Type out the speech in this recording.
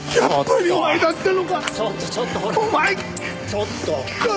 ちょっと。